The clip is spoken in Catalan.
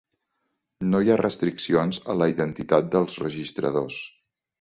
No hi ha restriccions a la identitat dels registradors.